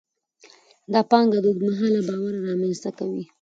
دا پانګه د اوږد مهاله باور رامینځته کوي.